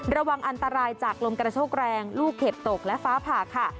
ระวังอันตรายจากลมกระโชกแรงลูกเห็บตกและฟ้าผ่าค่ะ